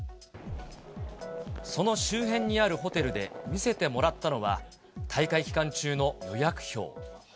その周辺にあるホテルで見せてもらったのは、大会期間中の予約表。